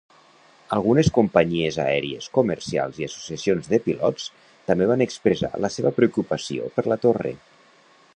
Algunes companyies aèries comercials i associacions de pilots també van expressar la seva preocupació per la torre.